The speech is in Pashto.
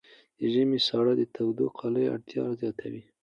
د ژمي ساړه د تودو کالیو اړتیا زیاتوي.